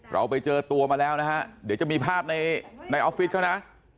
เราไปเจอตัวมาแล้วนะฮะเดี๋ยวจะมีภาพในออฟฟิศเขานะ